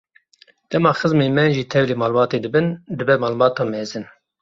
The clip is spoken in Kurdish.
Dema xizmên me jî tevlî malbatê dibin, dibe malbata mezin.